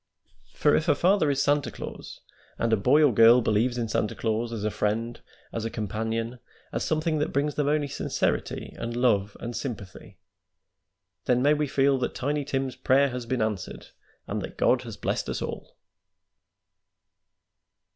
"For if a father is Santa Claus, and a boy or a girl believes in Santa Claus as a friend, as a companion, as something that brings them only sincerity and love and sympathy, then may we feel that Tiny Tim's prayer has been answered, and that God has blessed us all."